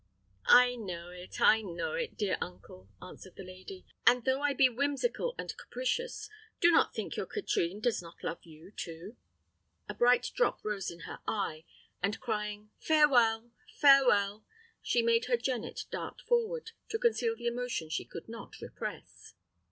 "I know it, I know it, dear uncle!" answered the lady; "and though I be whimsical and capricious, do not think your Katrine does not love you too." A bright drop rose in her eye, and crying "Farewell! farewell!" she made her jennet dart forward, to conceal the emotion she could not repress.